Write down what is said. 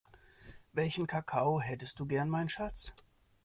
Welchen Kakao hättest du gern mein Schatz?